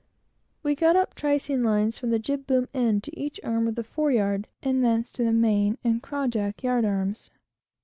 We got up tricing lines from the jib boom end to each arm of the fore yard, and thence to the main and cross jack yard arms.